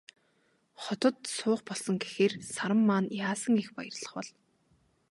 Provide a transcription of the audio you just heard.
Хотод суух болсон гэхээр Саран маань яасан их баярлах бол.